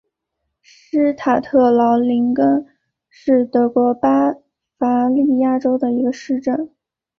施塔特劳林根是德国巴伐利亚州的一个市镇。